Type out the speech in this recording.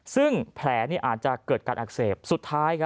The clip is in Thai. ซึ่งแผลอาจจะเกิดการอักเสบสุดท้าย